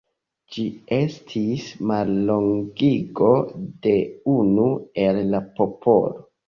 Ĝi estis mallongigo de "Unu el la popolo".